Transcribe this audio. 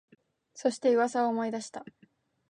そして、噂を思い出した